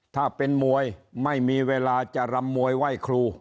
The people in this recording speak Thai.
ถ้าเป็นมวยไม่มีเวลาจะรำมวยไหว้ครู